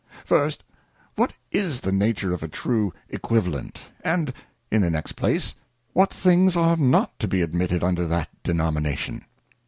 First, What is the nature of a true Equivalent'; and In the next place. What things are not to be admitted under that denomination.